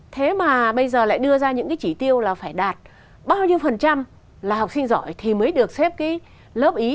thế mà bây giờ lại đưa ra những cái chỉ tiêu là phải đạt bao nhiêu phần trăm là học sinh giỏi thì mới được xếp cái lớp ý